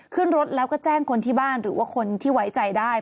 ขึ้นรถแล้วก็แจ้งคนที่บ้านหรือว่าคนที่ไว้ใจได้